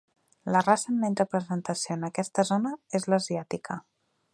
La raça amb menys representació en aquesta zona és l'asiàtica.